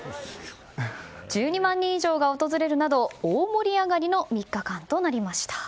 １２万人以上が訪れるなど大盛り上がりの３日間となりました。